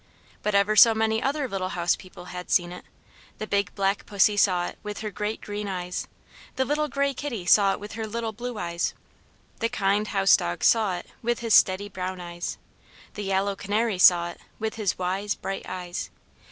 But ever so many other little house people had seen it. The big black pussy saw it with her great green eyes; the little grey kitty saw it with her little blue eyes; the kind house dog saw it with his steady brown eyes; the yellow canary saw it with his wise, bright eyes.